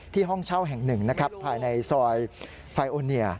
ที่ห้องเช่าแห่งหนึ่งภายในซอยไฟโอเนีย